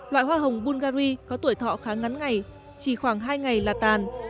loại hoa hồng bungary có tuổi thọ khá ngắn ngày chỉ khoảng hai ngày là tàn